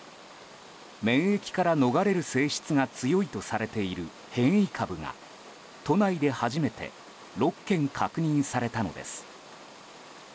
免疫から逃れる性質が強いとされている変異株が都内で初めて６件確認されたのです。